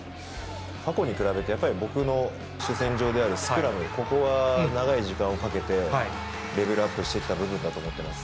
過去に比べて、やっぱり僕の主戦場であるスクラム、ここは長い時間をかけて、レベルアップしてきた部分だと思っています。